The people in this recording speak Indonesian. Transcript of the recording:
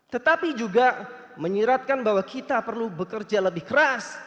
tetapi juga menyiratkan bahwa kita perlu bekerja lebih keras